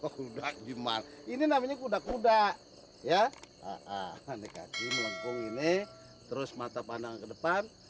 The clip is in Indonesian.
kuda gimana ini namanya kuda kuda ya aneh kaki melengkung ini terus mata pandang ke depan